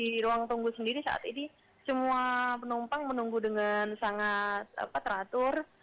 di ruang tunggu sendiri saat ini semua penumpang menunggu dengan sangat teratur